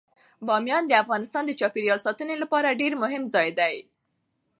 بامیان د افغانستان د چاپیریال ساتنې لپاره ډیر مهم ځای دی.